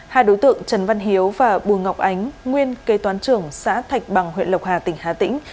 hai đối tượng trần văn hiếu và bùa ngọc ánh nguyên kê toán trưởng xã thạch bằng huyện lộc hà tỉnh hà tĩnh